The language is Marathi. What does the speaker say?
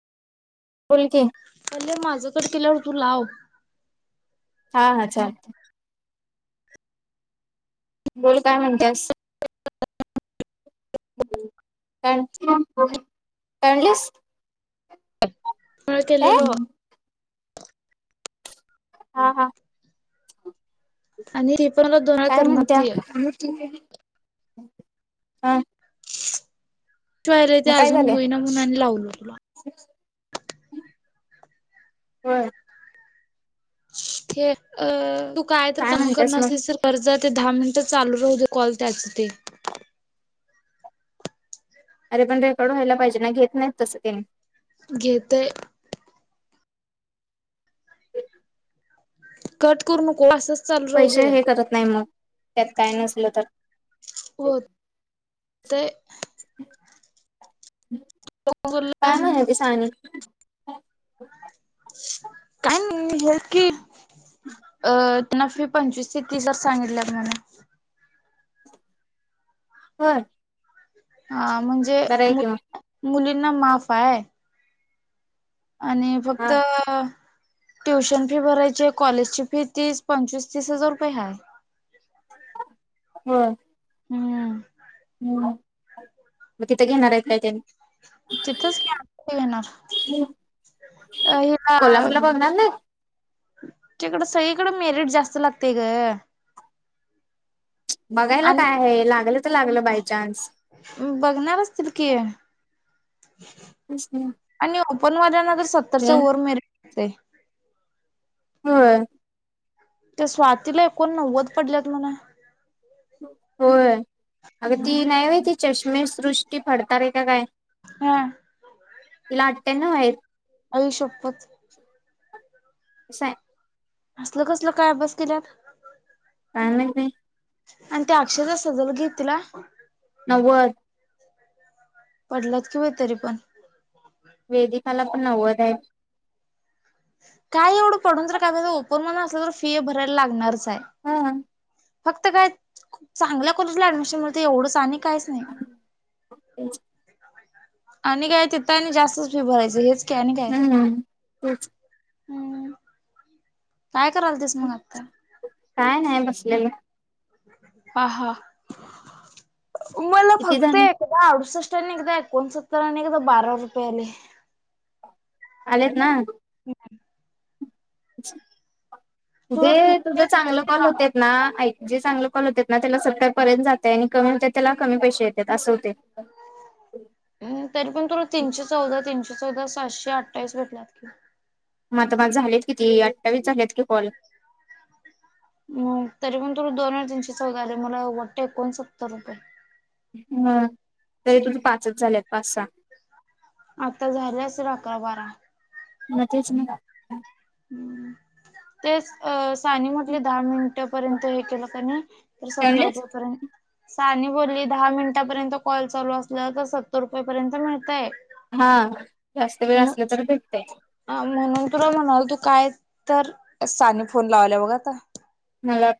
फुलकी अले माझं तर केल्यावर तू लाव हा हा चाल बोल काय म्हणतेस काय काय म्हणलीस मळ काय केलेलो हा हां आणि पण म दोन वेळा काय करणार म्हणत्या ती ह वायलाय ते अजून होईना म्हणुन आणि लावलो तुला हम् हे अ तू काय तर काम म्हणत्यास करणार मग असलीस तर कर्ज ते दहा मिनिटं चालू राहू दे कॉल त्याच ते अरे पण रेकॉर्ड व्हायला पाहिजे ना घेत नाहीत तसं त्यानी घेतय. कट करू नको असंच चालू राहू पैसे दे हे करत नाही मग त्यात काय नसलं तर हो ते काय नाही पि सा आणि काय हे की अ ना फी पंचवीस ते तीस हजार सांगितल्यात म्हणून ह हा म्हणजे मु की मग मुलींना माफ आहे. आणि हा फक्त ट्युशन फी भरायचे कॉलेज ची फी तीस पंचवीस तीस हजार रुपये हाय. [unintelligible] हम हम्म हम् मग तिथं घेणार आहे काय त्यानी तिथेच घेणार अ हिला हो न ना तकडं सगळीकडें मेरिट जास्त लागतेय ग बघायला आणि काय आहे लागलं तर लागलं बायचान्स बघणार असतील की आणि ओपन मन तर सत्तरच्या होय ओव्हर मते हो त्या स्वातीला एकोण नव्वद पडल्यात म्हणा होय अग ती नाही हो ती चष्मे सृष्टी फडत आहे का काय हा इला अट्ट्या ना आहे अय शोपत स असल कसलं काय अभ्यास केल्यात काण आणि ते अक्षय जा असत जल घेत तिला नव्वद पडलात कि व्हयं तरी पण वेदीकाला पण नव्वद आहे. काय एवढं पडून तर काय ओपन असलं तर फी भरायला लागणारच आहे. हा फक्त काय चांगल्या कॉलेजला ऍडमिशन मिळत एवढंच आणि काहीच नाही तेच आणि काय तेिथ आणि जास्तच फी भरायचं हेच काय आणि काय हम् हम्म काय कराल तेस मग आत्ता काय नाही बसलेलं हा हा मला किती फक्त झाले अडुसष्टांनी एकदा एकोणसत्तरांनी एकदा बारा रुपयेले आलेत ना ह तुला जे सुुधा तीनशे चांगले कॉल होत ना जे चांगले कॉल होत ना त्याला स्ट्या पर्यंत जात आहे आणि कमी होते त्याला कमी पैसे येत असं होते ह तरी पण तुला तीनशे चौदा तीनशे चौदा सातशे अठ्ठावीस भेटलात कि मग मग झालेत किती अठ्ठावीस झालेत की कॉल हम तरी पण तुला दोन तनशी चगले आहे मला वाटतं एकोणसत्तर रुपये हम तरी तुझ पाचच झालेत पाच सहा आता झालं अस अकरा बारा मचम का ह् तेच अ सानी म्हटले दहा मिनिटपर्यंत हे केलं कनी सत् म्हणलीस रुपयप स आणि बोलली दहा मिनिटापर्यंत कॉल चालू असलं तर सत्तर रुपयेपर्यंत मिळतय हा जास्त वेळ असल तररी भेटते म्हणून तुला म्हणाल तू काय तर साने फोन लावला बघा आता हला